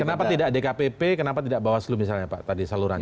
kenapa tidak dkpp kenapa tidak bawaslu misalnya pak tadi salurannya